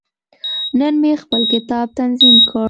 نن مې خپل کتاب تنظیم کړ.